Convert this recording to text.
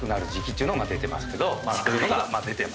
ていうのが出てます。